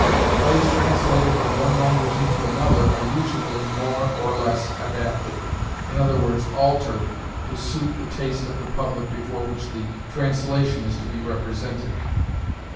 Plays translated from one language into another are usually more or less adapted; i. e., altered to suit the taste of the public before which the translation is to be represented.